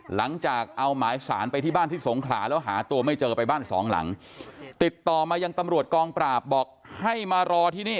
หลังจากเอาหมายสารไปที่บ้านที่สงขลาแล้วหาตัวไม่เจอไปบ้านสองหลังติดต่อมายังตำรวจกองปราบบอกให้มารอที่นี่